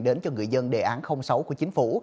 đến cho người dân đề án sáu của chính phủ